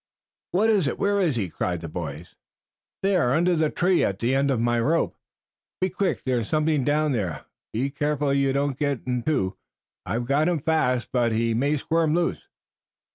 "What is it, where is he?" cried the boys. "There, under the tree at the end of my rope. Be quick. There's something down there. Be careful that you don't get in, too. I've got him fast, but he may squirm loose."